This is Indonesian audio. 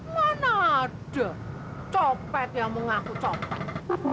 mana ada copet yang mengaku copet